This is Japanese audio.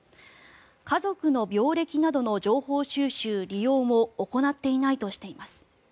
家族の病歴などの情報収集・利用も行っていないとしています。